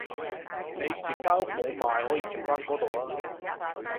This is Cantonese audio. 你以前間屋冇賣可以住返嗰度啊